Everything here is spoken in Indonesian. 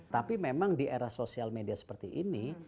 tapi memang di era sosial media seperti ini